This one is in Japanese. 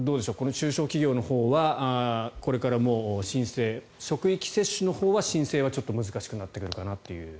中小企業のほうはこれから申請職域接種のほうは申請はちょっと難しくなってくるかなという。